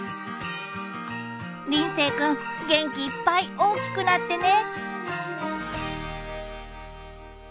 りんせいくん元気いっぱい大きくなってね。